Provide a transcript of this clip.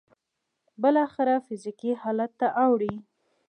بالاخره فزيکي حالت ته اوړي.